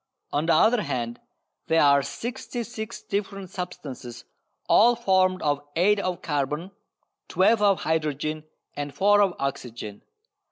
On the other hand, there are sixty six different substances all formed of eight of carbon, twelve of hydrogen and four of oxygen.